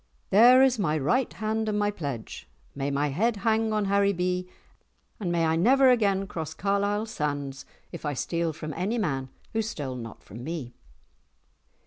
"There is my right hand and pledge! May my head hang on Haribee, and may I never again cross Carlisle sands if I steal from any man who stole not from me."